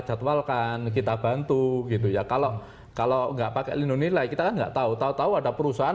jadwalkan kita bantu gitu ya kalau kalau enggak pakai lindung nilai kita kan enggak tahu tahu ada perusahaan